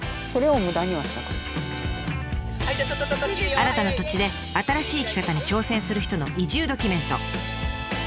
新たな土地で新しい生き方に挑戦する人の移住ドキュメント。